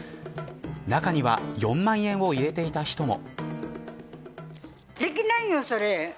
中には４万円を入れていた人も。